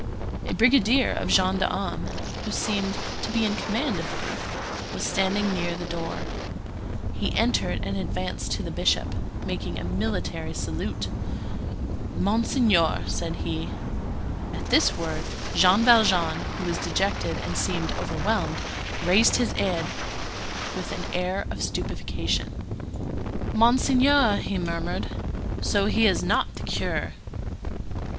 A brigadier of gendarmes, who seemed to be in command of the group, was standing near the door. He entered and advanced to the Bishop, making a military salute. "Monseigneur—" said he. At this word, Jean Valjean, who was dejected and seemed overwhelmed, raised his head with an air of stupefaction. "Monseigneur!" he murmured. "So he is not the curé?"